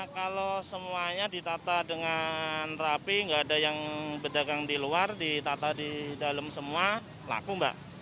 kalau semuanya ditata dengan rapi nggak ada yang berdagang di luar ditata di dalam semua laku mbak